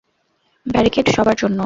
Barricade সবার জন্য।